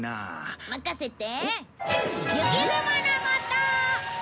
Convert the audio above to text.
任せて。